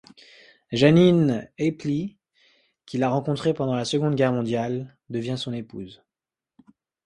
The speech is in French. Jeannine Aeply, qu'il a rencontrée pendant la Seconde Guerre mondiale, devient son épouse.